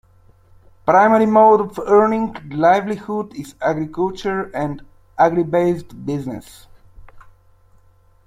Primary mode of earning livelihood is agriculture and agri-based business.